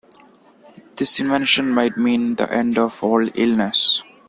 This invention might mean the end of all illness.